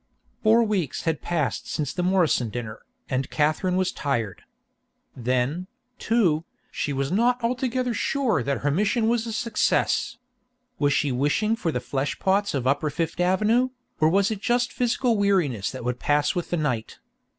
Four weeks had passed since the Morrison dinner, and Katherine was tired. Then, too, she was not altogether sure that her mission was a success. Was she wishing for the fleshpots of upper Fifth Avenue, or was it just physical weariness that would pass with the night?